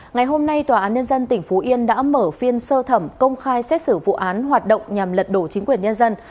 ngày hôm nay tòa án nhân dân tỉnh phú yên đã mở phiên sơ thẩm công khai xét xử vụ án hoạt động nhằm lật đổ chính quyền nhân dân